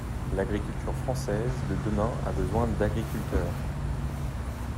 L’agriculture française de demain a besoin d’agriculteurs.